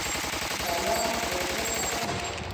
د الله امر په ځای کول